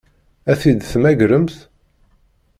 Ad t-id-temmagremt?